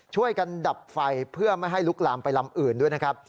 ช่วยกันดับไฟเพื่อไม่ให้ลุกลามไปลำอื่นด้วยนะครับ